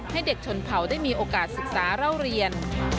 ให้เด็กชนเผาได้มีโอกาสศึกษาเล่าเรียน